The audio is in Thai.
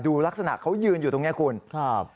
ลักษณะเขายืนอยู่ตรงนี้คุณครับ